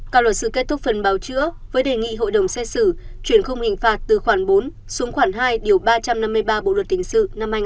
các luật sư kết thúc phần báo chữa với đề nghị hội đồng xét xử chuyển khung hình phạt từ khoảng bốn xuống khoảng hai điều ba trăm năm mươi ba bộ luật tình sự năm hai nghìn một mươi năm